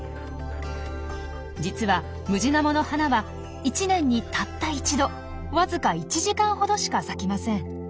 実はムジナモの花は一年にたった一度わずか１時間ほどしか咲きません。